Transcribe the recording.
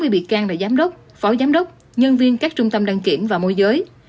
sáu mươi bị can là giám đốc phó giám đốc nhân viên các trung tâm đăng kiểm và môi giới